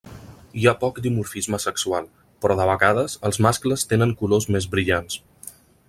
Hi ha poc dimorfisme sexual, però de vegades els mascles tenen colors més brillants.